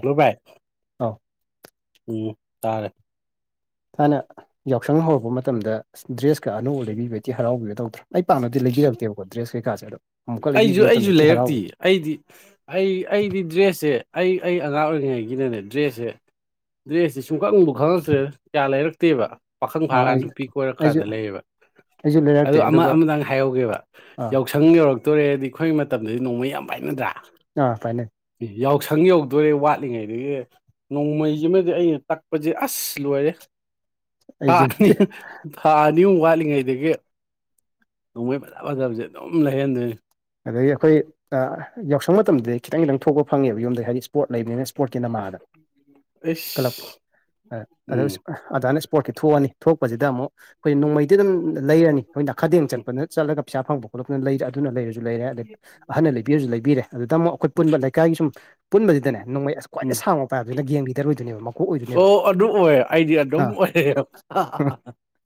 hello ꯚꯥꯏ ꯑꯧ ꯎꯝ ꯇꯥꯔꯦ ꯊꯥꯢꯅ ꯌꯥꯎꯁꯪ ꯍꯧꯔꯛꯄ ꯃꯇꯝꯗ ꯗ꯭ꯔꯦꯁꯀ ꯑꯅꯧꯕ ꯂꯩꯕꯤꯕꯒꯤ ꯊꯤ ꯍꯔꯥꯎꯕꯤꯒ ꯇꯧꯗ꯭ꯔꯣ ꯑꯩ ꯄꯥꯛꯅꯗꯤ ꯂꯩꯕꯤꯔꯛꯇꯦꯕꯀꯣ ꯗ꯭ꯔꯦꯁ ꯀꯩꯀꯥꯁꯦ ꯑꯗꯣ ꯑꯃꯨꯛꯀ ꯂꯩꯕꯤꯕ ꯑꯩꯁꯨ ꯃꯇꯝꯗ ꯑꯩꯁꯨ ꯊꯤ ꯂꯩꯔꯛꯇꯤ ꯍꯔꯥꯎꯋꯤ ꯑꯩꯗꯤ ꯑꯩ ꯑꯩꯗꯤ ꯗ꯭ꯔꯦꯁꯁꯦ ꯑꯩ ꯑꯩ ꯑꯉꯥꯡ ꯑꯣꯏꯔꯤꯉꯩꯒꯤꯅꯅꯦ ꯗ꯭ꯔꯦꯁꯁꯦ ꯗ꯭ꯔꯦꯁꯁꯦ ꯁꯨꯡꯈꯇꯕꯨ ꯈꯪꯉꯛꯇ꯭ꯔꯦ ꯀꯌꯥ ꯂꯩꯔꯛ ꯇꯦꯕ ꯄꯥꯈꯪ ꯑꯥ ꯐꯥꯔꯀꯥꯟꯗ ꯑꯩ ꯅꯨꯄꯤ ꯑꯩꯁꯨ ꯀꯣꯏꯔꯛꯀꯥꯟꯗ ꯂꯩꯌꯦꯕ ꯑꯩꯁꯨ ꯑꯗꯣ ꯂꯩꯔꯛꯇꯦ ꯑꯃ ꯑꯗꯨꯒ ꯑꯃꯗꯪ ꯍꯥꯏꯍꯧꯒꯦꯕ ꯑꯥ ꯌꯥꯎꯁꯪ ꯌꯧꯔꯛ ꯇꯣꯔꯦꯗꯤ ꯑꯩꯈꯣꯏꯒꯤ ꯃꯇꯝꯗꯗꯤ ꯅꯣꯡꯃꯩ ꯌꯥꯝ ꯄꯥꯏꯅꯗ꯭ꯔꯥ ꯑꯥ ꯄꯥꯢꯅꯩ ꯌꯥꯎꯁꯪ ꯌꯧꯗꯣꯔꯦ ꯋꯥꯠꯂꯤꯉꯩꯗꯒꯤ ꯅꯣꯡꯃꯩꯁꯤꯃꯗꯤ ꯑꯩꯅ ꯇꯛꯄꯁꯦ ꯑꯁ ꯂꯣꯏꯔꯦ ꯊꯥ ꯑꯩꯁꯨ ꯑꯅꯤ ꯅꯠꯇꯦ ꯊꯥ ꯑꯅꯤꯃꯨꯛ ꯋꯥꯠꯂꯤꯉꯩꯗꯒꯤ ꯅꯣꯡꯃꯩ ꯐꯖ ꯐꯖꯕꯁꯦ ꯑꯗꯨꯝ ꯂꯩꯍꯟꯗꯣꯏꯅꯤ ꯑꯗꯒꯤ ꯑꯩꯈꯣꯏ ꯌꯥꯎꯁꯪ ꯃꯇꯝꯗꯗꯤ ꯈꯤꯇꯪ ꯈꯤꯇꯪ ꯊꯣꯛꯄ ꯐꯪꯉꯦꯕ ꯌꯨꯝꯗꯩ ꯍꯥꯏꯗꯤ ꯏꯁ꯭ꯄꯣꯠ ꯂꯩꯕꯅꯤꯅ ꯁꯄꯣꯔꯠꯀꯤ ꯅꯃꯥꯗ ꯀꯂꯞꯀꯤ ꯑꯩꯁ ꯑꯗꯥ ꯎꯝ ꯑꯗꯥꯢ ꯁ ꯄꯣꯠꯀꯤ ꯊꯣꯛꯑꯅꯤ ꯊꯣꯛꯄꯁꯤꯗ ꯑꯃꯨꯛ ꯑꯩꯈꯣꯏ ꯅꯣꯡꯃꯩꯗꯤ ꯑꯗꯨꯝ ꯂꯩꯔꯅꯤ ꯍꯣꯏ ꯅꯥꯈꯗꯦꯡ ꯎꯝ ꯆꯠꯄꯅ ꯆꯠꯂꯒ ꯄꯩꯁꯥ ꯐꯪꯕ ꯈꯣꯠꯂꯛꯄꯗꯨꯅ ꯂꯩꯔꯦ ꯑꯗꯨꯅ ꯂꯩꯔꯁꯨ ꯂꯩꯔꯦ ꯑꯗꯩ ꯑꯍꯟꯅ ꯂꯩꯕꯤꯔꯁꯨ ꯂꯩꯕꯤꯔꯦ ꯑꯗꯨꯗ ꯑꯃꯨꯛ ꯑꯩꯈꯣ ꯄꯨꯟꯕ ꯂꯩꯀꯥꯏꯒꯤ ꯁꯨꯝ ꯄꯨꯟꯕꯁꯤꯗꯅꯦ ꯅꯣꯡꯃꯩ ꯑꯁ ꯎꯝ ꯈ꯭ꯋꯥꯏꯗꯩ ꯁꯥꯡꯕ ꯄꯥꯏꯕꯗꯨꯅ ꯒꯦꯝꯒꯤ ꯂꯤꯗꯔ ꯑꯣꯏꯗꯣꯏꯅꯦꯕ ꯃꯀꯣꯛ ꯑꯣꯏꯗꯣꯏꯅꯦꯕ ꯑꯣ ꯑꯗꯨ ꯑꯣꯏ ꯑꯩꯗꯤ ꯑꯥ [unintelligible]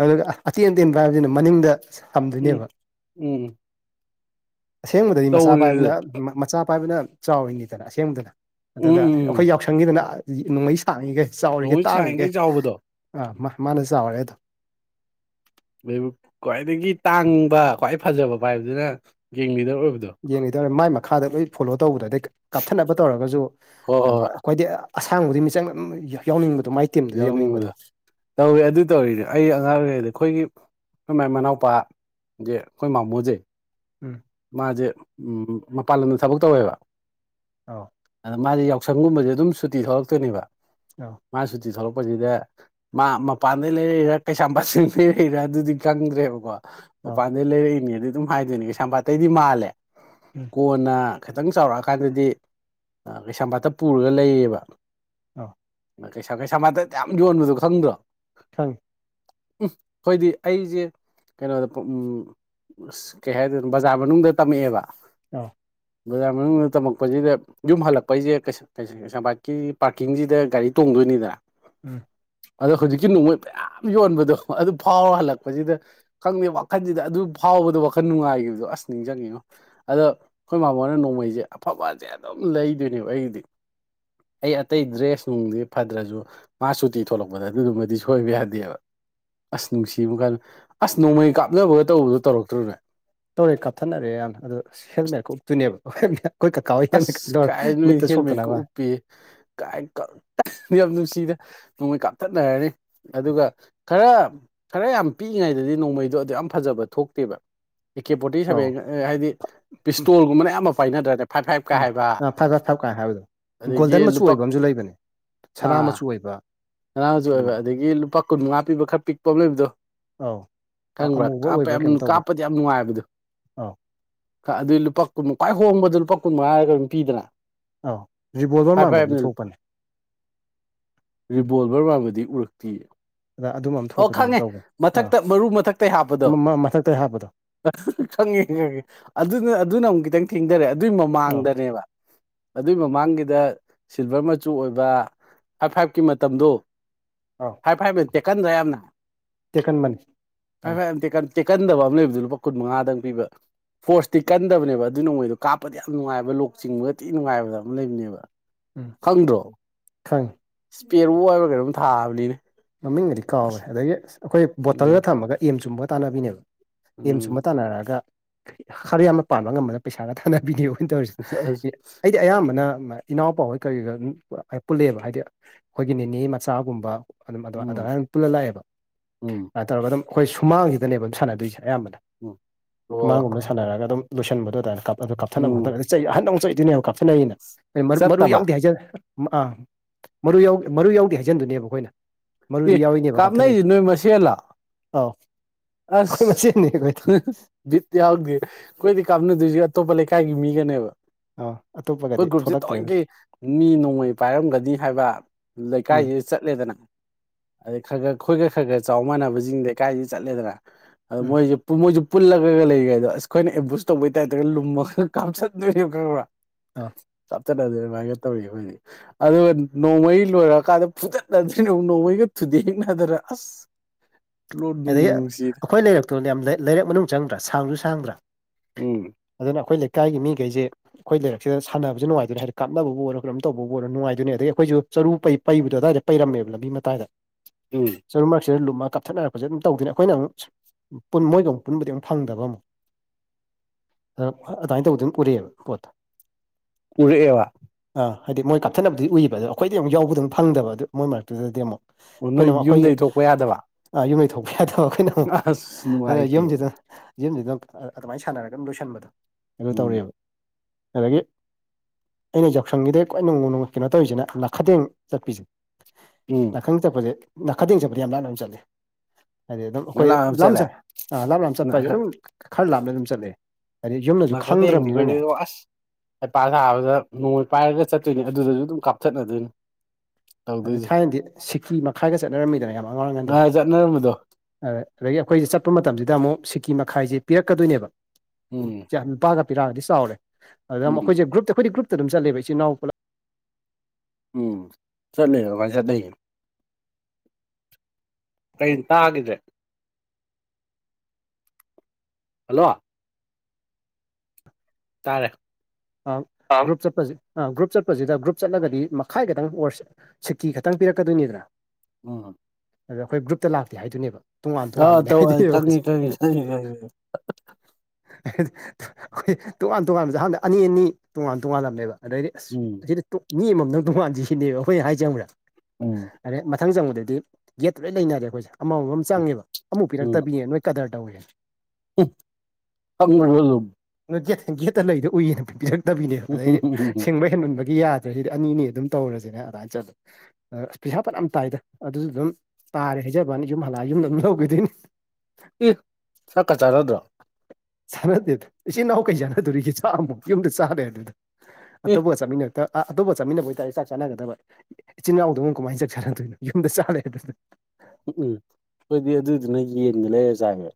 ꯑꯗꯨꯒ ꯑꯇꯦꯟ ꯑꯇꯦꯟꯕ ꯄꯥꯏꯕꯁꯤꯅ ꯃꯅꯤꯡꯗ ꯎꯝ ꯊꯝꯗꯣꯏꯅꯦꯕ ꯎꯝ ꯑꯁꯦꯡꯕꯗꯗꯤ ꯃꯆꯥ ꯄꯥꯏꯕꯅ ꯇꯧꯔꯦ ꯃꯆꯥ ꯄꯥꯏꯕꯅ ꯆꯥꯎꯔꯤꯅꯤꯗꯅ ꯑꯁꯦꯡꯕꯗꯅ ꯑꯗꯨꯒ ꯎꯝ ꯑꯩꯈꯣꯏ ꯎꯝ ꯌꯥꯎꯁꯪꯒꯤꯗꯅ ꯅꯣꯡꯃꯩ ꯁꯥꯡꯉꯤꯒꯩ ꯆꯥꯎꯔꯤꯒꯩ ꯅꯣꯡꯃꯩ ꯇꯥꯡꯉꯤꯒꯩ ꯁꯥꯡꯈꯩ ꯆꯥꯎꯕꯗꯣ ꯑꯥ ꯃꯥ ꯃꯥꯅ ꯆꯥꯎꯔꯦ ꯑꯗꯣ ꯈ꯭ꯋꯥꯏꯗꯒꯤ ꯇꯥꯡꯕ ꯈ꯭ꯋꯥꯏ ꯐꯖꯕ ꯄꯥꯏꯕꯗꯨꯅ ꯒꯦꯡ ꯂꯤꯗꯕ ꯒꯦꯡ ꯂꯤꯗꯔ ꯃꯥꯏ ꯃꯈꯥꯗ ꯂꯣꯏ ꯐꯣꯂꯣ ꯇꯧꯕꯗꯣ ꯑꯗꯩ ꯀꯥꯞꯊꯠꯅꯕ ꯇꯧꯔꯒꯁꯨ ꯍꯣꯏ ꯍꯣꯏ ꯍꯣꯏ ꯑꯩꯈꯣꯏꯗꯤ ꯑꯁꯥꯡꯕꯗꯨꯢ ꯃꯤꯆꯪꯗ ꯑꯗꯨꯝ ꯌꯥꯏ ꯌꯥꯎꯅꯤꯡꯕꯗꯣ ꯇꯧꯏ ꯑꯗꯨ ꯇꯧꯔꯤꯅꯦ ꯑꯩ ꯑꯉꯥꯡ ꯑꯣꯏꯔꯤꯉꯩꯗ ꯑꯩꯈꯣꯏꯒꯤ ꯑꯩꯈꯣꯏ ꯃꯥꯏ ꯃꯅꯥꯎꯄꯥꯒꯤ ꯑꯩꯈꯣꯏ ꯃꯥꯃꯣꯖꯦ ꯎꯝ ꯃꯥꯁꯦ ꯃꯄꯥꯟ ꯂꯝꯗ ꯊꯕꯛ ꯇꯧꯋꯦꯕ ꯑꯥꯎ ꯃꯥꯗꯤ ꯌꯥꯎꯁꯪꯒꯨꯝꯕꯁꯦ ꯑꯗꯨꯝ ꯁꯨꯇꯤ ꯊꯣꯛꯂꯛꯇꯣꯏꯅꯦꯕ ꯑꯧ ꯃꯥ ꯁꯨ ꯇꯤ ꯊꯣꯛꯂꯛꯄꯁꯤꯗ ꯃꯥ ꯃꯄꯥꯟꯗꯩ ꯂꯩꯔꯛꯢꯔꯥ ꯀꯩꯁꯥꯝꯄꯥꯠꯁꯤꯡꯗꯩ ꯂꯩꯔꯥ ꯑꯗꯨꯗꯤ ꯈꯪꯗ꯭ꯔꯦꯕꯀꯣ ꯑꯧ ꯃꯄꯥꯟꯗꯩ ꯂꯩꯔꯛꯏꯅꯦꯗꯤ ꯑꯗꯨꯝ ꯍꯥꯏꯗꯣꯏꯅꯦ ꯀꯩꯁꯥꯝꯄꯥꯠꯇꯩꯗꯤ ꯃꯥꯜꯂꯦ ꯎꯝ ꯀꯣꯟꯅ ꯈꯤꯇꯪ ꯆꯥꯎꯔꯛꯑꯀꯥꯟꯗꯗꯤ ꯀꯩꯁꯥꯝꯄꯥꯠꯇ ꯄꯨꯔꯒ ꯂꯩꯌꯦꯕ ꯑꯥꯎ ꯀꯩꯁꯥ ꯀꯩꯁꯥꯝꯄꯥꯠꯇ ꯑꯗꯌꯥꯝ ꯌꯣꯟꯕꯗꯣ ꯈꯪꯗ꯭ꯔꯣ ꯈꯪꯉꯤ ꯎꯝ ꯍꯣꯏꯗꯤ ꯑꯩꯁꯦ ꯀꯩꯅꯣꯗ ꯄꯣꯛ ꯎꯝ ꯀꯩ ꯍꯥꯏꯗꯣꯏ ꯕꯖꯥꯔ ꯃꯅꯨꯡꯗ ꯇꯝꯃꯛꯑꯦꯕ ꯇꯥꯎ ꯕꯖꯥꯔ ꯃꯅꯨꯡꯗ ꯇꯝꯃꯛꯄꯁꯤꯗ ꯌꯨꯝ ꯍꯜꯂꯛꯄꯩꯁꯦ ꯀꯩꯁ ꯀꯩꯁꯥꯝꯄꯥꯠꯀꯤ ꯄꯥꯔꯀꯤꯡꯁꯤꯗ ꯒꯥꯔꯤ ꯇꯣꯡꯗ ꯅꯤꯗ ꯎꯝ ꯑꯗꯣ ꯍꯧꯖꯤꯛꯀꯤ ꯅꯣꯡꯃꯩ ꯃꯌꯥꯝ ꯌꯣꯟꯕꯗꯣ ꯑꯗꯨ ꯐꯥꯎꯔ ꯍꯜꯂꯛꯄꯁꯤꯗ ꯈꯪꯗꯦ ꯋꯥꯈꯜꯁꯤꯗ ꯑꯗꯨ ꯐꯥꯎꯕꯗꯣ ꯋꯥꯈꯜ ꯅꯨꯡꯉꯥꯏꯒꯤꯕ ꯗꯣ ꯑꯁ ꯅꯤꯡꯖꯪꯉꯤꯉꯣ ꯑꯗꯣ ꯑꯩꯈꯣꯏ ꯃꯥꯃꯣꯅ ꯅꯣꯡꯃꯩꯁꯦ ꯑꯐꯕꯁꯦ ꯑꯗꯨꯝ ꯂꯩꯗꯣꯏꯅꯦꯕ ꯑꯩꯒꯤꯗꯤ ꯑꯩ ꯑꯇꯩ ꯗ꯭ꯔꯦꯁ ꯅꯨꯡꯗꯤ ꯐꯗ꯭ꯔꯁꯨ ꯃꯥ ꯁꯨꯇꯤ ꯊꯣꯛꯂꯛꯄꯗ ꯑꯗꯨꯗꯨꯃꯗꯤ ꯁꯣꯏꯕ ꯌꯥꯗꯦꯕ ꯑꯁ ꯅꯨꯡꯁꯤꯕ ꯀꯥꯟꯗ ꯑꯁ ꯅꯣꯡꯃꯩ ꯀꯥꯞꯅꯕꯒ ꯇꯧꯕꯗꯣ ꯇꯧꯔꯛꯇ꯭ꯔꯣꯅꯣꯏ ꯇꯧꯔꯦ ꯀꯥꯞꯊꯅꯔꯦ ꯌꯥꯝꯅ ꯑꯗꯨꯗꯣ ꯍꯦꯜꯃꯦꯠ ꯎꯞꯇꯣꯏꯅꯦꯕ ꯍꯦꯜꯃꯦꯠ ꯑꯁ ꯀꯥꯏ ꯅꯣꯏ ꯍꯦꯜꯃꯦꯠ ꯀ ꯎꯞꯄꯤ ꯀꯥꯏ ꯌꯥꯝ ꯅꯨꯁꯤ ꯁꯤꯗ ꯅꯣꯡꯃꯩ ꯀꯥꯞꯊꯠꯅꯔꯅꯤ ꯑꯗꯨꯒ ꯈꯔ ꯈꯔ ꯌꯥꯝ ꯄꯤꯛꯏꯉꯩꯗꯗꯤ ꯅꯣꯡꯃꯩꯗꯣ ꯑꯗꯨ ꯌꯥꯝ ꯐꯖꯕ ꯊꯣꯛꯇꯦꯕ ꯑꯦ ꯀꯦ ꯐꯣꯔꯇꯤ ꯑꯧ ꯁꯚꯦꯟ ꯍꯥꯏꯗꯤ ꯄꯤꯁꯇꯣꯜꯒꯨꯝꯕꯅ ꯑꯌꯥꯝꯕ ꯄꯥꯏꯅꯗ꯭ꯔꯥꯅꯦ ꯎꯝ ꯐꯔꯦ ꯐꯔꯦ ꯐꯔ ꯀꯥꯏ ꯍꯥꯏꯕꯗꯣ ꯑꯗꯒꯤ ꯒꯣꯜꯗꯟ ꯃꯆꯨ ꯂꯨꯄꯥ ꯑꯣꯏꯕ ꯑꯃꯁꯨ ꯂꯩꯕꯅꯦ ꯁꯅꯥ ꯃꯆꯨ ꯑꯣꯏꯕ ꯁꯅꯥ ꯃꯆꯨ ꯑꯗꯨꯝ ꯑꯣꯏꯕ ꯑꯗꯒꯤ ꯂꯨꯄꯥ ꯀꯨꯟ ꯃꯉꯥ ꯄꯤꯕ ꯈꯔ ꯄꯤꯛꯄ ꯑꯃ ꯂꯩꯕꯗꯣ ꯑꯧ ꯈꯪꯕ꯭ꯔꯥ ꯑꯃꯨꯕ ꯀꯥꯞꯄ ꯑꯣꯏꯕ꯭ꯔꯥ ꯌꯥꯝ ꯀꯩꯝ ꯇꯧꯕ꯭ꯔꯥ ꯀꯥꯞꯄꯗꯤ ꯌꯥꯝ ꯅꯨꯡꯉꯥꯏꯕꯗꯨ ꯑꯧ ꯑꯗꯨꯏ ꯂꯨꯄꯥ ꯀꯨꯟꯃ ꯈ꯭ꯋꯥꯏ ꯍꯣꯡꯕꯗ ꯂꯨꯄꯥ ꯀꯨꯟ ꯃꯉꯥꯔꯒ ꯀꯩꯅꯣꯝ ꯄꯤꯗꯅ ꯑꯥꯎ ꯔꯤꯕꯣꯜꯚꯔ ꯐꯥꯏꯚ ꯃꯥꯟꯕ ꯑꯝꯁꯨ ꯐꯥꯏꯚꯅ ꯂꯨꯄꯥ ꯊꯣꯛꯄꯅꯤ ꯔꯤꯔꯤꯕꯣꯜꯚꯔ ꯃꯥꯕꯗꯤ ꯎꯔꯛꯇꯤꯌꯦ ꯑꯗ ꯑꯗꯨꯝꯕ ꯑꯃ ꯑꯣ ꯊꯣꯛꯄꯗꯧꯅ ꯈꯪꯉꯦ ꯇꯧꯕꯅꯦ ꯑ ꯃꯊꯛꯇ ꯃꯔꯨ ꯃꯊꯛꯇꯩ ꯍꯥꯞꯄꯗꯣ ꯃꯊꯛꯇ ꯍꯥꯞꯄꯗꯣ ꯈꯪꯉꯦ ꯈꯪꯉꯦ ꯑꯗꯨꯅ ꯑꯗꯨꯅ ꯑꯃꯨꯛ ꯈꯤꯇꯪ ꯊꯦꯡꯊꯔꯦ ꯑꯗꯨꯏ ꯑꯥꯎ ꯃꯃꯥꯡꯗꯅꯦꯕ ꯑꯗꯨꯏ ꯃꯃꯥꯡꯒꯤꯗ ꯁꯤꯜꯚꯔ ꯃꯆꯨ ꯑꯣꯏꯕ ꯐꯥꯏꯚ ꯐꯥꯏꯚꯀꯤ ꯃꯇꯝꯗꯣ ꯐꯥꯏꯚ ꯐꯥꯏꯚꯅ ꯇꯦꯛꯀꯟꯗ꯭ꯔ ꯌꯥꯝꯅ ꯇꯦꯀꯟꯕꯅꯦ ꯀꯟꯗꯕ ꯑꯃ ꯂꯩꯕꯗꯨ ꯂꯨꯄꯥ ꯀꯨꯟ ꯃꯉꯥꯗꯪ ꯄꯤꯕ ꯐꯣꯔꯁꯇꯤ ꯀꯟꯗꯕꯅꯦꯕ ꯑꯗꯨ ꯅꯣꯡꯃꯩꯗꯣ ꯀꯥꯞꯄꯗ ꯌꯥꯝ ꯅꯨꯡꯉꯥꯏꯕ ꯂꯣꯛ ꯆꯤꯡꯕꯒꯗꯤ ꯅꯨꯡꯉꯥꯏꯕ ꯑꯃ ꯂꯩꯕꯅꯦꯕ ꯎꯝ ꯈꯪꯗ꯭ꯔꯣ ꯈꯪꯉꯦ ꯏꯁꯄꯦꯔꯣ ꯍꯥꯏꯌꯔ ꯀꯩꯅꯣꯝ ꯊꯥꯕꯅꯤꯅꯦ ꯃꯃꯤꯡꯒꯗꯤ ꯀꯥꯎꯔꯦ ꯑꯁ ꯑꯗꯒꯤ ꯑꯩꯈꯣꯏ ꯕꯣꯇꯜꯗ ꯊꯝꯃꯒ ꯑꯦꯝ ꯆꯨꯝꯕꯒ ꯇꯥꯟꯅꯕꯤꯅꯦꯕ ꯑꯦꯝ ꯎꯝ ꯁꯨꯝꯕ ꯇꯥꯅꯔꯛꯑꯒ ꯈꯔ ꯌꯥꯝꯅ ꯄꯥꯟꯕ ꯉꯝꯕꯅ ꯄꯩꯁꯥꯒ ꯊꯥꯅꯔ ꯕꯤꯗꯤꯑꯣ ꯑꯣꯏꯅ ꯇꯧꯔꯤꯁꯦ ꯑꯁ ꯑꯩꯗꯤ ꯑꯌꯥꯝꯕꯅ ꯏꯅꯥꯎꯄꯥꯍꯣꯏ ꯀꯔꯤ ꯄꯨꯜꯂꯦꯕ ꯍꯥꯏꯗꯤ ꯑꯩꯈꯣꯏꯒꯤ ꯅꯤꯅꯦ ꯃꯆꯥꯒꯨꯝꯕ ꯑꯗꯨꯝ ꯑꯗꯨ ꯎꯝ ꯑꯗꯨꯃꯥꯏꯅ ꯑꯗꯨ ꯄꯨꯜꯂ ꯂꯥꯛꯑꯦꯕ ꯎꯝ ꯑꯗꯨꯃꯥꯏꯅ ꯇꯧꯔꯒ ꯑꯗꯨꯝ ꯑꯩꯈꯣꯏ ꯁꯨꯃꯥꯡꯁꯤꯗꯅꯦꯕ ꯑꯗꯨꯝ ꯁꯥꯟꯅꯗꯣꯏꯁꯦ ꯑꯌꯥꯝꯕꯅ ꯎꯝ ꯑꯣ ꯁꯨꯃꯥꯡꯒꯨꯝꯕꯗ ꯁꯥꯟꯅꯔꯒ ꯑꯗꯨꯝ ꯂꯣꯏꯁꯤꯟꯕ ꯑꯗꯨꯃꯥꯏꯅ ꯀ ꯑꯗꯨ ꯀꯥꯞꯊꯠꯅꯕ ꯎꯝ ꯈꯣꯠꯊꯠꯅ ꯆꯩ ꯑꯍꯟꯗ ꯑꯃꯨꯛ ꯆꯩ ꯑꯗꯨꯅꯦ ꯌꯥꯝ ꯀꯥꯞꯊꯠꯅꯔꯛꯏꯅ ꯑꯩꯅ ꯑꯩ ꯃꯔꯨ ꯆꯠꯇꯕ ꯌꯥꯎꯗꯦ ꯍꯥꯏꯖꯗꯦ ꯑꯥ ꯃꯔꯨ ꯃꯔꯨ ꯌꯥꯎꯗꯦ ꯍꯥꯏꯖꯤꯟꯗꯨꯅꯦꯕ ꯑꯩꯈꯣꯏꯅ ꯑꯦ ꯃꯔꯨꯗꯤ ꯌꯥꯎꯔꯤꯅꯦꯕ ꯀꯥꯞꯅꯩꯁꯦ ꯀꯥꯞꯊꯠꯅꯩꯗꯣ ꯅꯣꯏ ꯃꯁꯦꯜꯂꯣ ꯑꯥꯎ ꯑꯁ ꯍꯥꯍꯥꯍꯥ ꯕꯤꯠ ꯌꯥꯎꯗꯦ ꯑꯩꯈꯣꯏꯗꯤ ꯀꯥꯞꯅꯗꯣꯏꯁꯦ ꯑꯇꯣꯞꯄ ꯂꯩꯀꯥꯏꯒꯤ ꯃꯤꯒꯅꯦꯕ ꯑꯧ ꯑꯩꯈꯣꯏ ꯑꯇꯣꯞꯄꯒꯗꯤ ꯒ꯭ꯔꯨꯞꯁꯦ ꯊꯣꯛꯂꯛꯇ꯭ꯔꯦ ꯊꯑꯣꯏꯀꯤ ꯃꯤ ꯅꯣꯡꯃꯩ ꯄꯥꯏꯔꯝꯒꯅꯤ ꯍꯥꯏꯕ ꯎꯝ ꯂꯩꯀꯥꯏꯁꯤ ꯆꯠꯂꯦꯗꯅ ꯑꯗꯩ ꯈꯔ ꯈꯔ ꯑꯩꯈꯣꯏ ꯈꯔ ꯈꯔ ꯆꯥꯎ ꯃꯥꯟꯅꯕꯁꯤꯡꯗꯤ ꯂꯩꯀꯥꯏꯁꯤꯗ ꯆꯠꯂꯦꯗꯅ ꯑꯗꯨ ꯎꯝ ꯃꯣꯏꯁꯦ ꯃꯣꯏꯁꯨ ꯄꯨꯜꯂꯒ ꯂꯩꯒ ꯍꯥꯏꯗꯣ ꯑꯁ ꯑꯩꯈꯣꯏꯅ ꯑꯦꯝꯕꯨꯁ ꯇꯧꯕꯩ ꯇꯥꯏꯞꯇꯒ ꯂꯨꯝꯃꯒ ꯀꯥꯞꯁꯤꯟꯗꯣꯏꯅꯦꯕ ꯈꯪꯕ꯭ꯔꯥ ꯑꯥ [unintelligible] ꯐꯨꯠꯗ ꯑꯗꯨꯃꯥꯏꯒ ꯇꯧꯋ ꯑꯩꯈꯣꯏꯗꯤ ꯑꯗꯨꯒ ꯅꯣꯡꯃꯩ ꯂꯣꯏꯔꯛꯀꯥꯟꯗ ꯐꯨꯗꯠꯅꯕꯤ ꯅꯣꯡꯃꯩꯒ ꯊꯨ ꯗꯦꯛꯅꯗꯅ ꯑꯁ [inaudible] ꯂꯣꯔ ꯑꯗꯒꯤ ꯅꯨꯡꯕꯨ ꯅꯨꯡꯁꯤ ꯑꯩꯈꯣꯏ ꯂꯩꯔꯛꯇꯣ ꯌꯥꯝ ꯂꯩꯔꯛ ꯃꯅꯨꯡ ꯆꯪꯗ꯭ꯔꯥ ꯁꯥꯡꯁꯨ ꯁꯥꯡꯗ꯭ꯔꯥ ꯎꯝ ꯑꯗꯨꯅ ꯑꯩꯈꯣꯏ ꯂꯩꯀꯥꯏꯒꯤ ꯃꯤꯈꯩꯁꯦ ꯑꯩꯈꯣꯏ ꯂꯩꯥꯏꯔꯛꯁꯤꯗ ꯁꯥꯟꯅꯕꯁꯨ ꯅꯨꯡꯉꯥꯏꯗꯣꯏꯅꯦ ꯍꯥꯏꯗꯤ ꯀꯥꯞꯅꯕꯕꯨ ꯑꯣꯏꯔꯣ ꯀꯔꯝ ꯇꯧꯕꯕꯨꯔꯣ ꯅꯨꯡꯉꯥꯏꯗꯣꯏꯅꯤ ꯑꯗꯒꯤ ꯑꯩꯈꯣꯏꯁꯨ ꯆꯔꯨꯩ ꯄꯩꯕꯗꯣ ꯑꯗꯨꯋꯥꯏꯗ ꯄꯩꯔꯝꯃꯦꯕ ꯂꯝꯕꯤ ꯃꯇꯥꯏꯗ ꯎꯝ ꯆꯔꯨ ꯃꯔꯛꯁꯤꯗ ꯂꯨꯝꯃ ꯀꯥꯞꯊꯠꯅꯔꯛꯄ ꯐꯖ ꯑꯗꯨꯝ ꯇꯧꯗꯣꯏꯅꯦ ꯑꯩꯈꯣꯏꯅ ꯑꯃꯨꯛ ꯃꯣꯏꯒ ꯑꯃꯨꯛ ꯄꯨꯟꯕꯗꯤ ꯑꯃꯨꯛ ꯐꯪꯗꯕ ꯑꯃꯨꯛ ꯑꯗꯨꯃꯥꯏꯅ ꯇꯧꯕꯗꯩ ꯑꯗꯨꯝ ꯎꯔꯛꯑꯦꯕ ꯄꯣꯠꯇꯣ ꯎꯔꯛꯑꯦꯋꯥ ꯑꯥ ꯍꯥꯏꯗꯤ ꯃꯣꯏ ꯀꯥꯞꯊꯅꯕꯗꯤ ꯎꯏꯕ ꯑꯗꯣ ꯑꯩꯈꯣꯏꯗꯤ ꯑꯃꯨꯛ ꯐꯪꯗꯕ ꯑꯗꯨ ꯃꯣꯏ ꯃꯔꯛꯇꯨꯗꯗꯤ ꯑꯃꯨꯛ ꯑꯣ ꯑꯩꯈꯣꯏꯅ ꯅꯣꯏ ꯑꯃꯨꯛ ꯑꯩꯈꯣꯏꯒꯤ ꯌꯨꯝꯗꯩꯊꯣꯛꯄ ꯌꯥꯗꯕ ꯑꯥ ꯌꯨꯝ ꯂꯩꯊꯣꯛꯄ ꯌꯥꯗꯕ ꯑꯩꯈꯣꯏꯅ ꯑꯃꯨꯛ ꯑꯁ ꯑꯗꯨꯅ ꯅꯨꯡꯉꯥꯏꯇꯦ ꯌꯨꯝꯁꯤꯗ ꯌꯨꯝꯁꯤꯗ ꯑꯗꯨꯃꯥꯏꯅ ꯁꯥꯟꯅꯔꯒ ꯑꯗꯨꯝ ꯂꯣꯏꯁꯟꯕꯗꯣ ꯑꯗꯨ ꯎꯝ ꯇꯧꯔꯦꯕ ꯑꯗꯒꯤ ꯑꯩꯅ ꯌꯥꯎꯁꯪꯒꯤꯗ ꯈ꯭ꯋꯥꯏ ꯅꯣꯡ ꯀꯩꯅꯣ ꯇꯧꯔꯤꯁꯤꯅ ꯂꯈꯗꯦꯡ ꯆꯠꯄꯤꯁꯦ ꯎꯝ ꯅꯥꯈꯪ ꯆꯠꯄꯁꯦ ꯅꯥꯈꯗꯦꯡ ꯆꯠꯄꯗ ꯌꯥꯝ ꯂꯥꯄ ꯂꯥꯞꯅ ꯆꯠꯂꯤ ꯍꯥꯏꯗꯤ ꯑꯗꯨꯝ ꯑꯩꯈꯣꯏ ꯅꯝꯂꯥꯡ ꯑꯃ ꯂꯥꯞꯝ ꯆꯠꯂꯦ ꯆꯠ ꯑ ꯂꯥꯞ ꯂꯥꯝ ꯆꯠꯄ ꯍꯥꯏꯁꯦ ꯑꯗꯨꯝ ꯈꯔ ꯂꯥꯞꯅ ꯑꯗꯨꯝ ꯆꯠꯂꯦ ꯍꯥꯏꯗꯤ ꯌꯨꯝꯅꯁꯨ ꯅꯥꯈꯗꯦꯡꯗꯤ ꯑꯩꯈꯣꯏꯗꯤ ꯈꯪꯗ꯭ꯔꯕꯅꯤꯅꯅꯦ ꯏꯕꯣ ꯑꯁ ꯍꯩꯄ ꯁꯥꯕꯗ ꯅꯣꯡꯃꯩ ꯄꯥꯏꯔꯒ ꯆꯠꯇꯣꯏꯅꯤ ꯑꯗꯨꯗꯁꯨ ꯑꯗꯨꯝ ꯀꯥꯞ ꯆꯠꯅꯗꯣꯏꯅꯤ ꯑꯗꯨꯗ ꯊꯥꯏꯅꯗꯤ ꯁꯤꯛꯀꯤ ꯃꯈꯥꯏꯒ ꯆꯠꯅꯔꯝꯃꯤꯗꯅ ꯌꯥꯝ ꯑꯉꯥꯡ ꯑꯣꯏꯔꯤꯉꯥꯟꯗꯗꯤ ꯉꯍꯥꯟ ꯆꯠꯅꯔꯝꯕꯗꯣ ꯑꯥ ꯑꯗꯒꯤ ꯑꯩꯈꯣꯏꯁꯦ ꯆꯠꯄ ꯃꯇꯝꯁꯤꯗ ꯑꯃꯨꯛ ꯁꯤ ꯀꯤ ꯃꯈꯥꯏꯁꯦ ꯄꯤꯔꯛꯀꯗꯣꯏꯅꯦꯕ ꯎꯝ ꯂꯨꯄꯥꯒ ꯄꯤꯔꯛꯑꯗꯤ ꯆꯥꯎꯔꯦ ꯑꯗ ꯎꯝ ꯑꯩꯈꯣꯏꯁꯦ ꯒ꯭ꯔꯨꯞꯇ ꯑꯩꯈꯣꯏꯒꯤ ꯒ꯭ꯔꯨꯞꯇ ꯑꯗꯨꯝ ꯆꯠꯂꯦꯕ ꯏꯆꯜ ꯏꯅꯥꯎ ꯄꯨꯂꯞ ꯎꯝ ꯆꯠꯂꯦ ꯑꯗꯨꯃꯥꯏ ꯆꯠꯅꯩꯌꯦ ꯀꯩꯅꯣ ꯇꯥꯒꯤꯗ꯭ꯔꯦ ꯍꯜꯂꯣ ꯇꯥꯔꯦ ꯑꯥ ꯒ꯭ꯔꯨꯞ ꯆꯠꯄꯁꯦ ꯑꯥ ꯒ꯭ꯔꯨꯞ ꯆꯠꯄꯁꯤꯗ ꯒ꯭ꯔꯨꯞ ꯆꯠꯂꯒꯗꯤ ꯃꯈꯥꯏ ꯈꯛꯇꯪ ꯑꯣꯔ ꯁꯤꯇꯤ ꯈꯛꯇꯪ ꯄꯤꯔꯛꯀꯗꯣꯏꯅꯤꯗꯅ ꯎꯝ ꯑꯗ ꯑꯩꯈꯣꯏ ꯒ꯭ꯔꯨꯞꯇ ꯂꯥꯛꯇꯦ ꯍꯥꯏꯗꯣꯏꯅꯦꯕ ꯑꯥ ꯇꯧ ꯈꯪꯉꯤ ꯈꯪꯉꯤ ꯈꯪꯉꯤ ꯈꯪꯉꯤ ꯍꯤꯍꯤꯍꯤꯑꯩꯈꯣꯏ ꯇꯣꯉꯥꯟ ꯇꯣꯉꯥꯟꯕꯁꯦ ꯑꯍꯥꯟꯌꯗ ꯑꯅꯤ ꯑꯅꯤ ꯇꯣꯉꯥꯟ ꯇꯣꯉꯥꯟꯂꯝꯅꯦꯕ ꯑꯗꯩꯗꯤ ꯑꯁ ꯎꯝ ꯑꯁꯤꯗꯤ ꯇꯣꯛ ꯃꯤ ꯑꯃꯃꯝ ꯗꯪ ꯇꯣꯉꯥꯟꯁꯤ ꯁꯤꯅꯦꯕ ꯑꯩꯈꯣꯏ ꯍꯥꯏꯖꯦ ꯈꯪꯕ꯭ꯔ ꯎꯝ ꯑꯗꯩ ꯃꯊꯪ ꯆꯪꯕꯗꯗꯤ ꯒꯦꯠꯇ ꯂꯣꯏ ꯂꯩꯅꯔꯦ ꯑꯩꯈꯣꯏꯁꯦ ꯑꯃꯝ ꯑꯃꯝ ꯆꯪꯉꯦꯕ ꯑꯝꯃꯨꯛ ꯄꯤꯔꯛꯇꯕꯤꯅꯦ ꯅꯣꯏ ꯀꯗꯔ ꯇꯧꯋꯦ ꯎꯝ [unintelligible] ꯅꯣꯏ ꯒꯦꯠ ꯒꯦꯠꯇ ꯂꯩꯔꯤꯗꯨ ꯎꯏꯑꯅ ꯄꯤꯔꯛꯇꯕꯤꯅꯦꯕ ꯑꯗꯩꯗꯤ ꯁꯤꯡꯕ ꯍꯦꯟꯃꯟꯕꯒꯤ ꯄꯤ ꯌꯥꯗ꯭ꯔꯁꯤꯗꯤ ꯑꯅꯤꯅꯤ ꯑꯗꯨꯝ ꯇꯧꯔꯁꯤꯅ ꯑꯗꯨꯃꯥꯏ ꯆꯠꯄ ꯑ ꯄꯩꯁꯥ ꯐꯅꯌꯥꯝ ꯇꯥꯏꯗ ꯑꯗꯨꯁꯨ ꯑꯗꯨꯝ ꯇꯥꯔꯦ ꯍꯥꯏꯖꯕꯋꯥꯅꯤ ꯌꯨꯝ ꯍꯜꯂꯛꯑ ꯌꯨꯝꯗ ꯑꯗꯨꯝ ꯂꯧꯒꯤꯗꯨꯏꯅꯤ ꯏ ꯆꯥꯛꯀꯥ ꯆꯥꯅꯗ꯭ꯔꯣ ꯆꯥꯟꯅꯗꯦꯗ ꯏꯆꯤꯟ ꯏꯅꯥꯎ ꯀꯩ ꯆꯥꯟꯅꯗꯣꯔꯤꯒꯦ ꯆꯥꯛ ꯑꯃꯃꯨꯛ ꯌꯨꯝꯗ ꯆꯥꯔꯗꯨꯗ ꯏ ꯑꯇꯣꯞꯄꯒ ꯆꯥꯃꯤꯟꯅꯔꯦ ꯇ ꯑ ꯑꯇꯣꯞꯄ ꯆꯠꯃꯤꯟꯅꯕ ꯑꯣꯏ ꯇꯥꯗꯤ ꯆꯥꯛ ꯆꯥꯟꯅꯒꯗꯕ ꯏꯆꯤꯟ ꯏꯅꯥꯎꯗꯪ ꯀꯃꯥꯏ ꯆꯥꯛ ꯆꯥꯟꯅꯗꯨꯏꯅꯣ ꯌꯨꯝꯗ ꯆꯥ ꯂꯩꯔꯕꯁꯤꯗ ꯎꯝ ꯎꯝ ꯑꯈꯣꯏꯗꯤ ꯑꯗꯨꯗꯨꯅ ꯌꯦꯟꯒ ꯂꯩꯔ ꯆꯥꯏꯌꯦ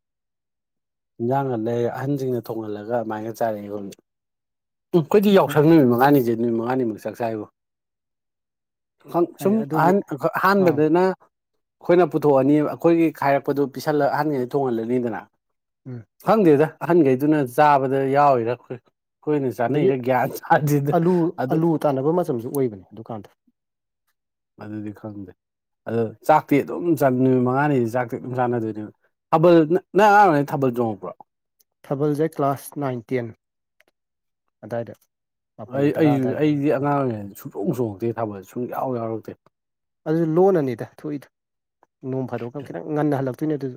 ꯏꯟꯖꯥꯡꯒ ꯂꯩꯔ ꯑꯍꯟꯖꯤꯡꯅ ꯊꯣꯡꯍꯜꯂꯒ ꯑꯗꯨꯃꯥꯏꯅ ꯆꯥꯔꯛꯑꯦ ꯑꯩꯈꯣꯏꯗꯤ ꯎꯝ ꯑꯩꯈꯣꯏꯗꯤ ꯌꯥꯎꯁꯪ ꯅꯨꯃꯤꯠ ꯃꯉꯥꯅꯤꯖꯦ ꯅꯨꯃꯤꯠ ꯃꯉꯥꯅꯤꯃꯛ ꯆꯥꯛ ꯆꯥꯏꯕꯣ ꯈꯪ ꯍꯥꯏꯗꯤ ꯁꯨꯝ ꯑꯗꯨꯒꯤ ꯑꯍꯟ ꯑꯥ ꯑꯍꯥꯟꯕꯗꯅ ꯑꯈꯣꯏꯅ ꯄꯨꯊꯣꯛꯑꯅꯤ ꯑꯩꯈꯣꯏꯒꯤ ꯈꯥꯏꯔꯛꯄꯗꯨ ꯄꯤꯁꯜꯂ ꯑꯍꯟꯒꯩꯗ ꯊꯣꯡꯍꯜꯂꯅꯤꯗꯅ ꯎꯝ ꯈꯪꯗꯦꯗ ꯑꯍꯟꯒꯩꯗꯨꯅ ꯆꯥꯕꯗ ꯌꯥꯎꯔꯤꯔ ꯑꯩꯈꯣꯏ ꯑꯩꯈꯣꯏꯅ ꯑꯗꯒꯤ ꯆꯥꯅꯩꯔ ꯒ꯭ꯌꯥꯟ ꯇꯥꯗꯦꯗ ꯑꯂꯨ ꯑꯗꯨ ꯑꯂꯨ ꯇꯥꯟꯅꯕ ꯃꯇꯝꯁꯨ ꯑꯣꯏꯕꯅꯦ ꯑꯗꯨꯀꯥꯟꯗ ꯑꯗꯨꯗꯤ ꯈꯪꯗꯦ ꯑꯗꯣ ꯆꯥꯛꯇꯤ ꯑꯗꯨꯝ ꯆꯥꯏ ꯅꯨꯃꯤꯠ ꯃꯉꯥꯅꯤꯗꯤ ꯆꯥꯛꯇꯤ ꯑꯗꯨꯝ ꯆꯥꯟꯅꯗꯨꯏꯅꯦꯕ ꯊꯥꯕꯜ ꯅ ꯅꯪ ꯑꯉꯥꯡ ꯑꯣꯏꯔꯤꯉꯩ ꯊꯥꯕꯜ ꯆꯣꯡꯉꯛꯄ꯭ꯔꯣ ꯊꯥꯕꯜꯁꯦ ꯀ꯭ꯂꯥꯁ ꯅꯥꯏꯟ ꯇꯦꯟ ꯑꯗꯥꯏꯗ ꯃꯥꯄꯜ ꯑꯩ ꯇꯔꯥ ꯑꯩ ꯑꯗꯥꯏꯗ ꯑꯩꯗꯤ ꯑꯉꯥꯡ ꯑꯣꯏꯔꯤꯉꯩ ꯁꯨꯡꯆꯣꯡ ꯆꯣꯡꯉꯛꯇꯦ ꯊꯥꯕꯜ ꯁꯨꯡ ꯌꯥꯎ ꯌꯥꯎꯔꯛꯇꯦ ꯑꯗꯨ ꯂꯣꯟꯅꯅꯤꯗ ꯊꯣꯛꯏꯗꯣ ꯅꯣꯡ ꯐꯥꯗꯣꯛꯑꯀ ꯈꯤꯇꯪ ꯉꯟꯅ ꯍꯜꯂꯛꯇꯨꯏꯅꯦ ꯑꯗꯨꯖꯨ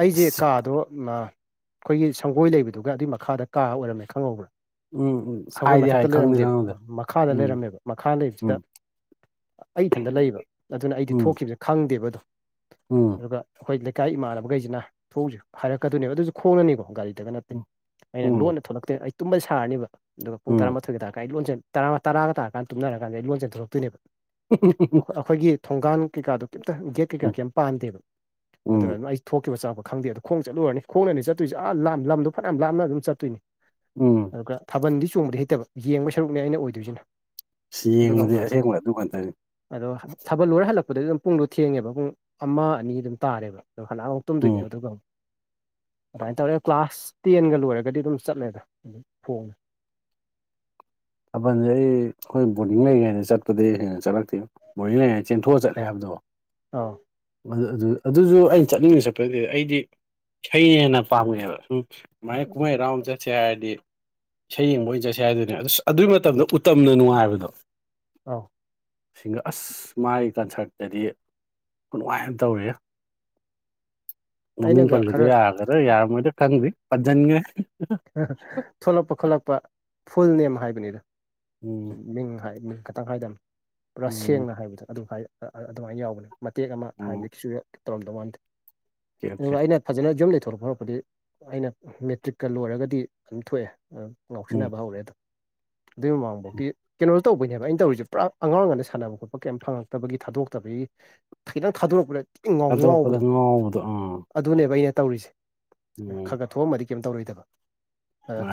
ꯑꯩꯖꯦ ꯑꯁ ꯀꯥꯗꯣ ꯃ ꯑꯩꯈꯣꯏꯒꯤ ꯁꯪꯒꯣꯏ ꯂꯩꯕꯗꯨꯒ ꯑꯗꯨꯏ ꯃꯈꯥꯗ ꯀꯥ ꯑꯣꯏꯔꯝꯃꯦ ꯈꯪꯍꯧꯕ꯭ꯔ ꯎꯝ ꯎꯝ ꯁꯪꯒꯣꯏ ꯍꯥꯏꯗꯤ ꯃꯊꯛꯇ ꯍꯥꯏ ꯈꯪꯗꯤ ꯂꯩꯔꯝꯗꯦꯕ ꯈꯪꯍꯧꯗꯦ ꯃꯈꯥꯗ ꯎꯝ ꯂꯩꯔꯝꯃꯦꯕ ꯃꯈꯥ ꯂꯩꯕꯁꯤꯗ ꯎꯝ ꯑꯩ ꯏꯊꯟꯇ ꯂꯩꯕ ꯑꯗꯨꯅ ꯑꯩꯗꯤ ꯎꯝ ꯊꯣꯛꯈꯤꯕꯖꯦ ꯈꯪꯗꯦꯕ ꯑꯗꯨꯝ ꯎꯝ ꯑꯗꯨꯒ ꯑꯩꯈꯣꯏ ꯂꯩ ꯀꯥꯏ ꯏꯃꯥꯟꯅꯕꯒꯩꯁꯤꯅ ꯊꯣꯡꯎꯖꯦ ꯍꯥꯏꯔꯛꯀꯗꯣꯏꯅꯦ ꯑꯗꯨꯁꯨ ꯈꯣꯡꯅꯅꯦꯕ ꯒꯥꯔꯤ ꯗꯒ ꯅꯠꯇꯦ ꯎꯝ ꯑꯩꯅ ꯎꯝ ꯂꯣꯟꯅ ꯊꯣꯛꯂꯛꯇꯦ ꯑꯩ ꯇꯨꯝꯕ ꯁꯥꯔꯅꯤꯕ ꯑꯗꯨꯒ ꯄꯨꯡ ꯎꯝ ꯇꯔꯥꯃꯥꯊꯣꯏꯒ ꯇꯥꯔꯀꯥꯟꯗ ꯑꯩ ꯂꯣꯟ ꯆꯦꯟ ꯇꯔꯥ ꯇꯔꯥꯒ ꯇꯥꯔꯀꯥꯟꯗ ꯇꯨꯝꯅꯔꯀꯥꯟꯗ ꯑꯩ ꯂꯣꯟ ꯆꯦꯟꯊꯣꯔꯛꯇꯨꯏꯅꯦꯕꯑꯩꯈꯣꯏ ꯑꯩꯈꯣꯏꯒꯤ ꯊꯣꯡꯒꯥꯟ ꯀꯩꯀꯥꯗꯣ ꯀꯩꯝꯇ ꯒꯦꯠ ꯀꯩꯀꯥ ꯎꯝ ꯀꯩꯝ ꯄꯥꯟꯗꯦꯕ ꯑꯗꯨꯅ ꯎꯝ ꯑꯗꯨꯝ ꯑꯩ ꯊꯣꯛꯈꯤꯕ ꯆꯪꯉꯛꯄ ꯈꯪꯗꯦ ꯑꯗꯣ ꯈꯣꯡ ꯆꯠꯂꯨꯔꯅꯤ ꯈꯣꯡꯅꯅꯤ ꯆꯠꯇꯣꯏꯁꯦ ꯑ ꯂꯥꯞꯅ ꯂꯝꯗꯣ ꯐꯅꯌꯥꯝ ꯂꯥꯞꯅ ꯑꯗꯨꯝ ꯆꯠꯇꯨꯏꯅꯤ ꯎꯝ ꯑꯗꯨꯒ ꯊꯥꯕꯜꯗꯤ ꯆꯣꯡꯕꯗꯤ ꯍꯩꯇꯕ ꯌꯦꯡꯕꯩ ꯁꯔꯨꯛꯅꯦ ꯑꯩꯅ ꯑꯣꯏꯗꯨꯏꯖꯤꯅ ꯌꯦꯡꯕꯗꯤ ꯑꯁꯦꯡꯕ ꯑꯗꯨ ꯉꯥꯛꯇꯅꯤ ꯑꯗꯣ ꯊꯥꯕꯜ ꯂꯣꯏꯔ ꯍꯜꯂꯛꯄꯗꯗꯤ ꯑꯗꯨꯝ ꯄꯨꯡꯗꯣ ꯊꯦꯡꯉꯦꯕ ꯄꯨꯡ ꯑꯃ ꯑꯅꯤ ꯑꯗꯨꯝ ꯇꯥꯔꯦꯕ ꯑꯗꯣ ꯍꯜꯂꯛꯑ ꯑꯃꯨꯛ ꯎꯝ ꯇꯨꯝꯗꯣꯏꯅꯦꯕ ꯑꯗꯨꯒ ꯑꯃꯨꯛ ꯑꯗꯨꯃꯥꯏ ꯇꯧꯔꯦ ꯀ꯭ꯂꯥꯁ ꯇꯦꯟꯒ ꯂꯣꯏꯔꯒꯗꯤ ꯑꯗꯨꯝ ꯆꯠꯂꯦꯗ ꯐꯣꯡꯅ [inaudible] ꯊꯥꯕꯜꯖꯦ ꯑꯩ ꯈꯣꯏ ꯕꯣꯔꯗꯤꯡ ꯂꯩꯔꯤꯉꯩꯗ ꯆꯠꯄꯗꯤ ꯍꯦꯟꯅ ꯆꯠꯂꯛꯇꯦꯕ ꯕꯣꯔꯗꯤꯡ ꯂꯩꯔꯤꯉꯩꯗ ꯆꯦꯟꯊꯣꯛꯑ ꯆꯠꯂꯦ ꯍꯥꯏꯕꯗꯣ ꯑꯥꯎ ꯑꯗꯨ ꯑꯗꯨꯗ ꯑꯗꯨꯁꯨ ꯑꯩ ꯆꯠꯅꯤꯡꯅ ꯆꯠꯄ ꯅꯠꯇꯦꯗ ꯑꯩꯗꯤ ꯏꯁꯩꯩꯅ ꯍꯦꯟꯅ ꯄꯥꯝꯃꯦ ꯍꯥꯏꯕ ꯑꯗꯨꯃꯥꯏꯅ ꯀꯨꯝꯍꯩ ꯍꯔꯥꯎ ꯑꯃ ꯆꯠꯁꯦ ꯍꯥꯏꯔꯗꯤ ꯏꯁꯩ ꯌꯦꯡꯕ ꯑꯣꯏꯅ ꯆꯠꯁꯦ ꯍꯥꯏꯗꯨꯅꯦꯕ ꯑꯗꯨꯁꯨ ꯑꯗꯨꯏ ꯃꯇꯝꯗ ꯎꯇꯝꯅ ꯅꯨꯡꯉꯥꯏꯕꯗꯣ ꯑꯥꯎ ꯁꯤꯡꯒꯔ ꯑꯁ ꯃꯥꯒꯤ ꯀꯟꯁꯔꯠꯇꯗꯤ ꯈꯨꯅꯨꯡꯉꯥꯏ ꯑꯝ ꯇꯧꯔꯦꯍꯦ [inaudible] ꯃꯃꯤꯡ ꯑꯩꯅꯒ ꯄꯜꯕꯗꯨ ꯈꯔ ꯌꯥꯒꯗ꯭ꯔ ꯌꯥꯔꯝꯃꯣꯏꯗ꯭ꯔ ꯈꯪꯗ꯭ꯔꯤ ꯄꯟꯖꯟꯈ꯭ꯔꯦ ꯊꯣꯂꯛꯄ ꯈꯣꯂꯛꯄ ꯐꯨꯜ ꯅꯦꯝ ꯍꯥꯏꯕꯅꯤꯗ ꯎꯝ ꯃꯤꯡ ꯍꯥꯏ ꯃꯤꯡ ꯇꯪ ꯍꯥꯏꯗꯕꯅꯤ ꯄꯨꯔꯥ ꯎꯝ ꯁꯦꯡꯅ ꯍꯥꯏꯕꯗꯣ ꯑꯗꯨꯃꯥꯏꯅ ꯌꯥꯎꯕꯅꯦ ꯃꯇꯦꯛ ꯑꯃ ꯎꯝ ꯍꯥꯏꯕꯗꯤ ꯃꯤꯛꯆꯨꯌꯦꯠ ꯇꯧꯔꯝꯗꯧꯕ ꯃꯥꯟꯗꯦ ꯑꯣꯀꯦ ꯑꯣꯀꯦ ꯑꯗꯨꯒ ꯑꯩꯅ ꯐꯖꯅ ꯌꯨꯝꯗꯒꯤ ꯊꯣꯔꯛꯄ ꯍꯧꯔꯛꯄꯗꯤ ꯑꯩꯅ ꯃꯦꯇ꯭ꯔꯤꯛ ꯀ ꯂꯣꯏꯔꯒꯗꯤ ꯑꯗꯨꯝ ꯊꯣꯛꯑꯦ ꯎꯝ ꯉꯥꯎꯁꯟꯅꯕ ꯍꯧꯔꯦ ꯑꯗꯨꯝ ꯑꯗꯨ ꯃꯃꯥꯡ ꯎꯝ ꯕꯣꯛꯇꯤ ꯀꯩꯅꯣ ꯇꯧꯕꯅꯦꯕ ꯑꯩꯅ ꯇꯧꯔꯤꯁꯦ ꯄꯨꯔꯥ ꯑꯉꯥꯡ ꯑꯣꯏꯔꯉꯩꯗ ꯁꯥꯟꯅꯕ ꯈꯣꯠꯄ ꯀꯩꯝ ꯐꯪꯉꯛꯇꯕꯒꯤ ꯊꯥꯗꯣꯛꯇꯕꯒꯤ ꯈꯤꯇꯪ ꯊꯥꯗꯣꯔꯛꯄꯗ ꯏꯉꯥꯎ ꯊꯥꯗꯣꯔꯛꯄꯗ ꯉꯥꯎꯕꯗꯣ ꯑꯥ ꯑꯗꯨꯅꯦꯕ ꯑꯩꯅ ꯇꯧꯔꯤꯁꯦ ꯈꯔ ꯎꯝ ꯈꯕ ꯊꯣꯛꯑꯝꯃꯗꯤ ꯀꯩꯝ ꯇꯧꯔꯣꯏꯗꯕ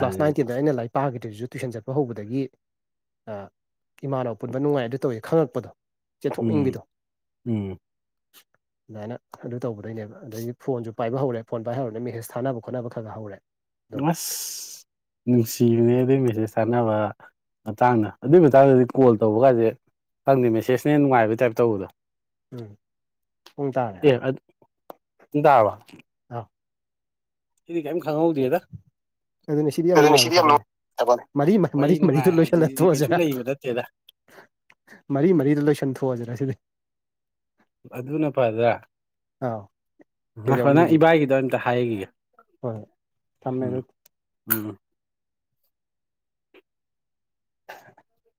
ꯀ꯭ꯂꯥꯁ ꯅꯥꯏꯟ ꯇꯦꯟꯗ ꯑꯩꯅ ꯂꯥꯏꯔꯤꯛ ꯄꯥꯈꯤꯗꯔꯤꯁꯨ ꯇꯨꯏꯁꯟ ꯆꯠꯄ ꯍꯧꯕꯗꯒꯤ ꯏꯃꯥꯟꯅꯕ ꯄꯨꯟꯕ ꯅꯨꯡꯉꯥꯏ ꯑꯗꯨ ꯇꯧꯋꯦ ꯈꯪꯪꯉꯛꯄꯗꯣ ꯎꯝ ꯎꯝ ꯑꯗꯨꯃꯥꯏꯅ ꯑꯗꯨ ꯇꯧꯕꯗꯩꯏꯅꯦꯕ ꯑꯗꯒꯤ ꯐꯣꯟꯁꯨ ꯄꯥꯏꯕ ꯍꯧꯔꯦ ꯐꯣꯟ ꯄꯥꯏꯕ ꯍꯧꯔꯗꯤ ꯃꯦꯁꯦꯖ ꯊꯥꯅꯕ ꯈꯣꯠꯅꯕ ꯈꯔ ꯈꯔ ꯍꯧꯔꯦ ꯑꯗꯣ ꯑꯁ ꯅꯨꯡꯁꯤꯕꯅꯦꯍꯦ ꯑꯗꯨ ꯃꯦꯁꯦꯖꯇꯣ ꯈꯪꯅꯕ ꯃꯇꯥꯡꯗ ꯑꯗꯨꯏ ꯃꯇꯥꯡꯗꯗꯤ ꯀꯣꯜ ꯇꯧꯕ ꯀꯥꯁꯦ ꯈꯪꯗꯦ ꯃꯦꯁꯦꯁꯅ ꯍꯦꯅ ꯅꯨꯡꯉꯥꯏꯕꯩ ꯇꯥꯏꯞ ꯇꯧꯕꯗꯣ ꯎꯝ ꯄꯨꯡ ꯇꯥꯔꯦ ꯑꯦ ꯑꯗꯣ ꯄꯨꯡ ꯇꯥꯔꯕ ꯑꯥ ꯁꯤꯗꯤ ꯀꯩꯝ ꯈꯪꯍꯧꯗꯦꯗ ꯑꯗꯨꯅꯦ ꯁꯤꯗꯤ ꯌꯥꯝ ꯅꯨꯡꯉꯥꯏꯕ ꯊꯕꯛꯅꯤ ꯃꯔꯤ ꯋꯥꯔꯤ ꯃꯔꯤꯗꯨ ꯅꯨꯡꯉꯥꯏ ꯂꯣꯏꯁꯤꯜꯂꯒ ꯍꯥꯏꯗꯨꯗꯤ ꯀꯩꯁꯨ ꯊꯣꯛꯑꯁꯤꯔꯥ ꯂꯩꯕ ꯅꯠꯇꯦꯗ ꯃꯔꯤ ꯃꯔꯤꯗꯣ ꯂꯣꯏꯁꯟꯊꯣꯛꯑꯁꯤꯗ ꯁꯤꯗꯤ ꯑꯗꯨꯅ ꯐꯗ꯭ꯔꯥ ꯑꯥꯎ ꯉꯥꯏꯈꯣ ꯀꯩꯗꯧꯅꯤ ꯅꯪ ꯍꯧꯖꯤꯛ ꯏꯕꯥꯏꯒꯤꯗꯣ ꯑꯃꯨꯛꯇ ꯍꯥꯏꯈꯤꯒꯦ ꯍꯣꯏ ꯊꯝꯃꯦ ꯎꯝ ꯑꯗꯨꯗꯤ ꯎꯝ [unintelligible]